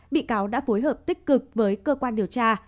bị cáo đã phối hợp tích cực với cơ quan điều tra